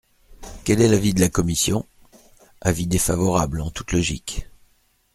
Quel est l’avis de la commission ? Avis défavorable, en toute logique.